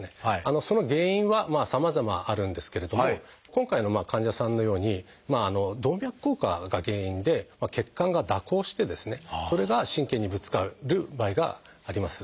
その原因はさまざまあるんですけれども今回の患者さんのように「動脈硬化」が原因で血管が蛇行してですねそれが神経にぶつかる場合があります。